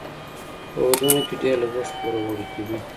په ودونو کې ډیر لګښت پوروړي کوي.